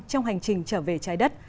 trong hành trình trở về trái đất